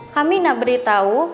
kami ingin beritahu